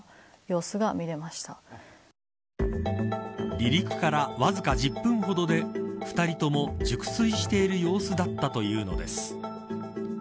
離陸から、わずか１０分ほどで２人とも熟睡している様子だったというのです。